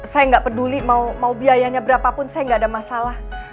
saya gak peduli mau biayanya berapa pun saya gak ada masalah